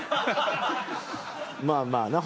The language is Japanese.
まあまあな。